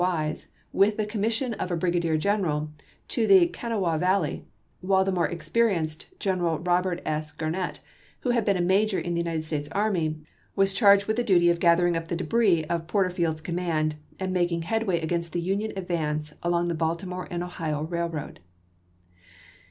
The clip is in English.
Wise with the commission of a brigadier general to the Kanawha Valley; while the more experienced General Robert S. Gar nett, who had been a major in the United States WEST VIRGINIA 333 army, was charged with the duty of gathering up chap. xix. the debris of Porterfield's command, and making headway against the Union advance along the Baltimore and Ohio Railroad.